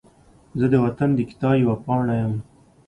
زه د وطن د کتاب یوه پاڼه یم